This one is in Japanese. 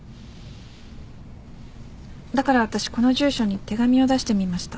だから私この住所に手紙を出してみました。